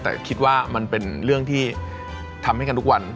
แต่คิดว่ามันเป็นเรื่องที่ทำให้กันทุกวัน